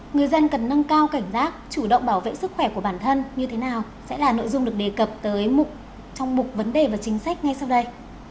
người dân cần nâng cao cảnh giác chủ động bảo vệ sức khỏe của bản thân như thế nào sẽ là nội dung được đề cập trong mục vấn đề và chính sách ngay sau đây